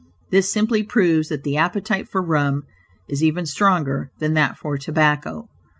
This simply proves that the appetite for rum is even stronger than that for tobacco.